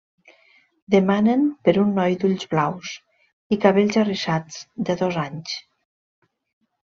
Demanen per un noi d’ulls blaus i cabells arrissats de dos anys.